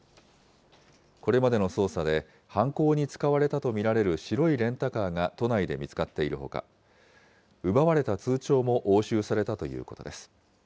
これまでの捜査で、犯行に使われたと見られる白いレンタカーが都内で見つかっているほか、奪われた通帳も押収されたということです。